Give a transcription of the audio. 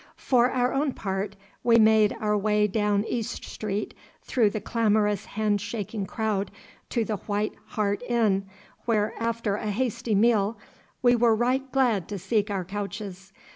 For our own part we made our way down East Street through the clamorous hand shaking crowd to the White Hart Inn, where after a hasty meal we were right glad to seek our couches.